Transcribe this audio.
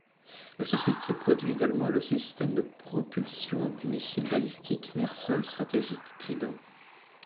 La société produit également le système de propulsion du missile balistique mer-sol stratégique Trident.